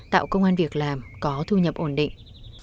tạo công an việc làm có thu nhập ổn định